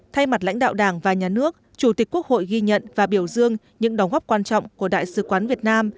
thay mặt lãnh đạo đảng và nhà nước chủ tịch quốc hội ghi nhận và biểu dương những đóng góp quan trọng của đại sứ quán việt nam